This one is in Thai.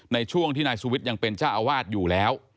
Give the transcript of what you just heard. ในช่วงที่นายสุวิทย์ยังเป็นเจ้าอาวาสอยู่แล้ว